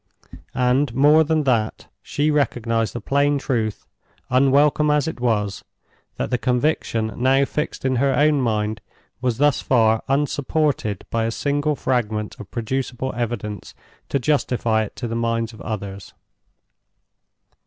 And, more than that, she recognized the plain truth—unwelcome as it was—that the conviction now fixed in her own mind was thus far unsupported by a single fragment of producible evidence to justify it to the minds of others.